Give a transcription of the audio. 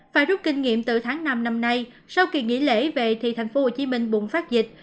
phải rút kinh nghiệm từ tháng năm năm nay sau kỳ nghỉ lễ về thì thành phố hồ chí minh bùng phát dịch